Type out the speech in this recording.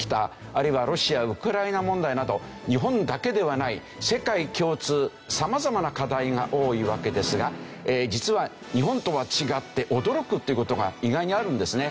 あるいはロシア・ウクライナ問題など日本だけではない世界共通様々な課題が多いわけですが実は日本とは違って驚くっていう事が意外にあるんですね。